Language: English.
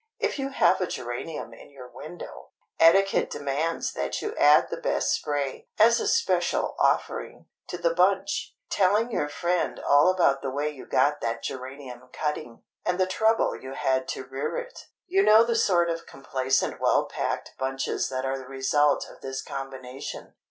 If you have a geranium in your window, etiquette demands that you add the best spray—as a special offering—to the bunch, telling your friend all about the way you got that geranium cutting, and the trouble you had to rear it. You know the sort of complacent well packed bunches that are the result of this combination.